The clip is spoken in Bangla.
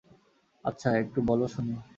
আচ্ছা, একটু বল শুনি!